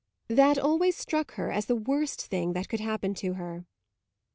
That always struck her as the worst thing that could happen to her.